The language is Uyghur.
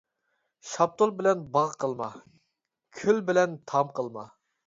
شاپتۇل بىلەن باغ قىلما، كۈل بىلەن تام قىلما.